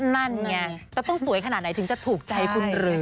นั่นไงแล้วต้องสวยขนาดไหนถึงจะถูกใจคุณหรือ